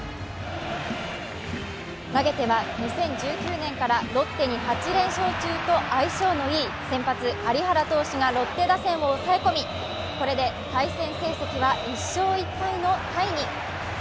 投げては２０１９年からロッテに８連勝中と相性のいい先発・有原投手がロッテ打線を抑え込みこれで対戦成績は１勝１敗のタイに。